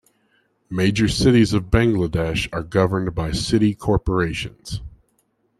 Major cities of Bangladesh are governed by City Corporations.